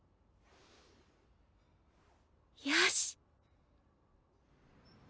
よし！